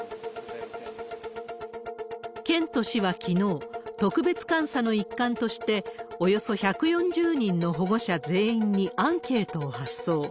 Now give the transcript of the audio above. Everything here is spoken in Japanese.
県と市はきのう、特別監査の一環として、およそ１４０人の保護者全員にアンケートを発送。